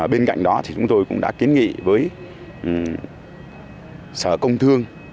bên cạnh đó thì chúng tôi cũng đã kiến nghị với sở công thương